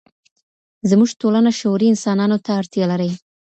زموږ ټولنه شعوري انسانانو ته اړتيا لري.